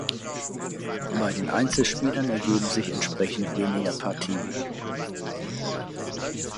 Bei den Einzelspielern ergeben sich entsprechend weniger Partien.